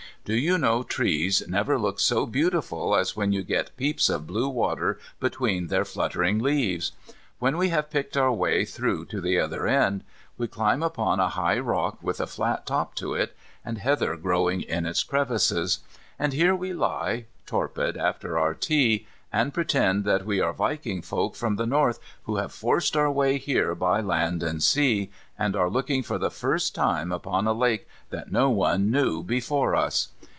Do you know trees never look so beautiful as when you get peeps of blue water between their fluttering leaves? When we have picked our way through to the other end, we climb upon a high rock with a flat top to it, and heather growing in its crevices; and here we lie, torpid after our tea, and pretend that we are viking folk from the north who have forced our way here by land and sea, and are looking for the first time upon a lake that no one knew before us.